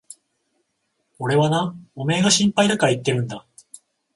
俺はな、おめえが心配だから言ってるんだ。